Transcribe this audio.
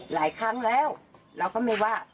หลายครั้งแล้วเราก็ไม่ว่า